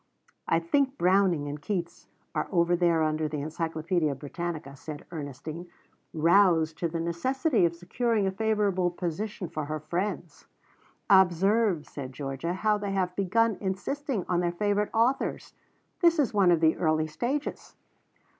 "I think Browning and Keats are over there under the Encyclopedia Britannica," said Ernestine, roused to the necessity of securing a favourable position for her friends. "Observe," said Georgia, "how they have begun insisting on their favourite authors. This is one of the early stages."